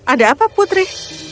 ada apa putri